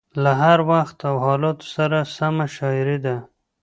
له هر وخت او حالاتو سره سمه شاعري ده.